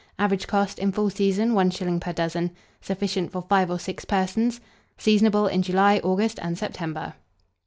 Average cost, in full season, 1s. per dozen. Sufficient for 5 or 6 persons. Seasonable in July, August, and September.